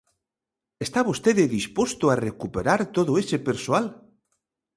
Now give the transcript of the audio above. ¿Está vostede disposto a recuperar todo ese persoal?